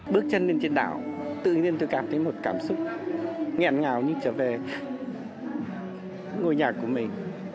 bước chân lên trên đảo tự nhiên tôi cảm thấy một cảm xúc nghẹn ngào như trở về ngôi nhà của mình